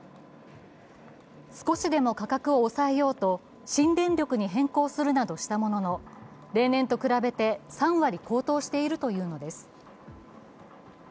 少しでも価格を抑えようと新電力に変更するなどしたものの例年と比べて３割高騰しているというのです。